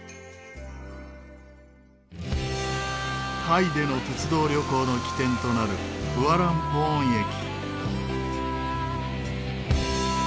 タイでの鉄道旅行の起点となるフアランポーン駅。